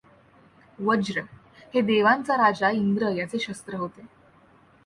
वज्र हे देवांचा राजा इंद्र याचे शस्त्र होते.